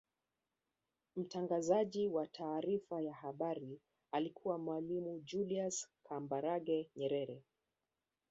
mtangazaji wa taarifa ya habari alikuwa mwalimu julius kambarage nyerere